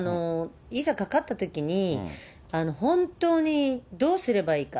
いざかかったときに、本当にどうすればいいか。